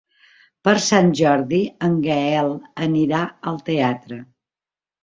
Per Sant Jordi en Gaël anirà al teatre.